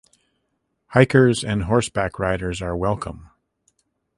Hikers and horseback riders are welcome.